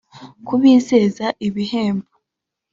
kubizeza ibihembo